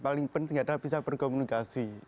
paling penting adalah bisa berkomunikasi